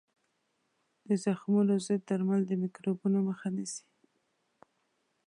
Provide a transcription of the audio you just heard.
د زخمونو ضد درمل د میکروبونو مخه نیسي.